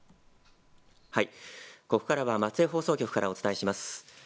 ここからは松江放送局からお伝えします。